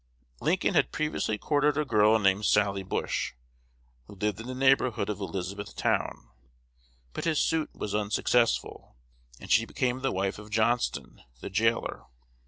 Lincoln had previously courted a girl named Sally Bush, who lived in the neighborhood of Elizabethtown; but his suit was unsuccessful, and she became the wife of Johnston, the jailer.